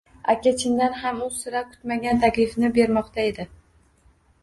Aka chindan ham u sira kutmagan taklifni bermoqda edi